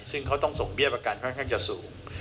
ซึ่งเขาต้องส่งเบี้ยประกันค่อนข้างจะสูง